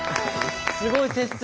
すごい接戦。